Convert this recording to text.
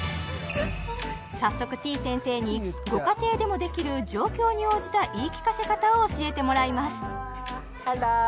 早速てぃ先生にご家庭でもできる状況に応じた言い聞かせ方を教えてもらいますハロー